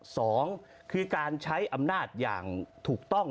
สองคือการใช้อำนาจอย่างถูกต้อง